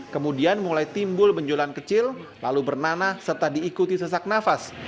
kemudian mulai timbul benjolan kecil lalu bernanah serta diikuti sesak nafas